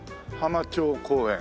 浜町公園。